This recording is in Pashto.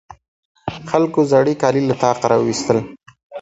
خلکو زاړې کالي له طاقه راواېستل.